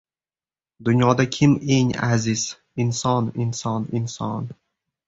• Dunyoda kim eng aziz? Inson, inson, inson.